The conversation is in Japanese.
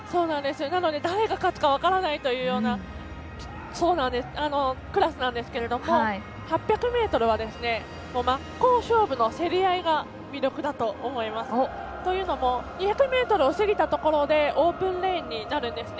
なので誰が勝つか分からないというようなクラスなんですけれども８００ｍは真っ向勝負の競り合いが魅力だと思います、というのも２００ｍを過ぎたところでオープンレーンになるんですね。